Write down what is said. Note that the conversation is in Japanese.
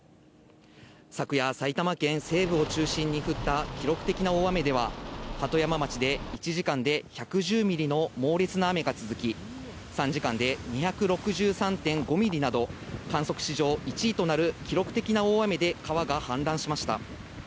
昨夜、埼玉県西部を中心に降った記録的な大雨では、鳩山町で１時間で１１０ミリの猛烈な雨が続き、３時間で２６３．５ミリなど、観測史上１位となる記録的な大雨で川が氾濫しました。